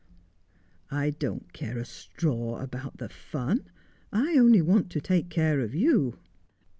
' I don't care a straw about the fun. I only want to take care of you.'